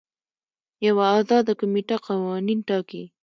یوه ازاده کمیټه قوانین ټاکي.